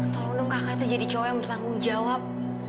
tolong dong kakak saya jadi cowok yang bertanggung jawab